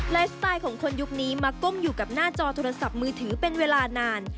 สไตล์ของคนยุคนี้มาก้มอยู่กับหน้าจอโทรศัพท์มือถือเป็นเวลานาน